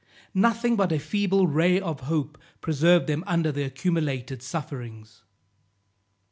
Nothing but a feeble ray of hope preserved them under their accumulated sufferings.